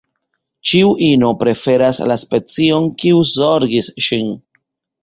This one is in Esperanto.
Ĉiu ino preferas la specion, kiu zorgis ŝin.